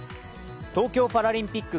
東京パラリンピック